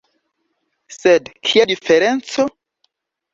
Sed, kia diferenco!